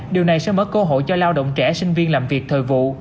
điều này sẽ mở cơ hội cho lao động trẻ sinh viên làm việc thời vụ